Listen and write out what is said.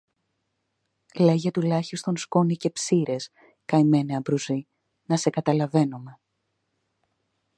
Λέγε τουλάχιστον σκόνη και ψείρες, καημένε Αμπρουζή, να σε καταλαβαίνομε!